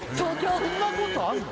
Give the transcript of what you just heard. そんなことあるの？